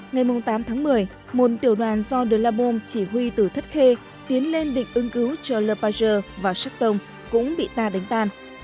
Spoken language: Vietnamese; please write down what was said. ngày tám tháng một mươi một tiểu đoàn do đơn la bôn chỉ huy từ thất khê tiến lên địch ưng cứu cho lê bà rơ và sát tông cũng bị ta đánh tan